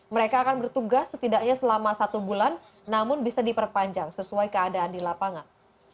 mereka akan bertugas setidaknya selama satu bulan namun bisa diperpanjang sesuai keadaan di lapangan